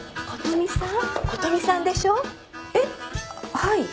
はい。